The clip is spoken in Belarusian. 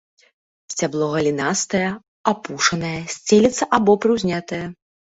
Сцябло галінастае, апушанае, сцелецца або прыўзнятае.